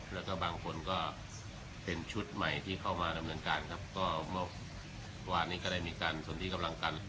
แล้วก็บางคนก็เป็นชุดใหม่ที่เข้ามาดำเนินการครับก็เมื่อวานนี้ก็ได้มีการสนที่กำลังกัน